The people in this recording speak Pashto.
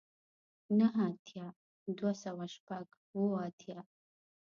نه اتیای دوه سوه شپږ اوه اتیا